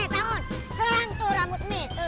eh tahun serang tuh rambut mie